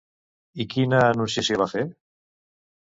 I quina anunciació va fer?